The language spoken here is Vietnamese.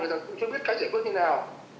người ta cũng chưa biết cách giải quyết như nào